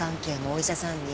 お医者さんに。